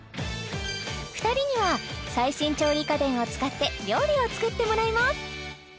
２人には最新調理家電を使って料理を作ってもらいます